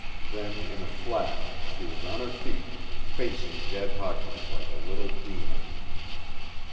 Then, in a flash, she was on her feet, facing Jed Hawkins like a little demon.